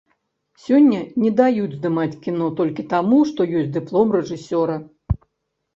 Сёння не даюць здымаць кіно, толькі таму, што ёсць дыплом рэжысёра.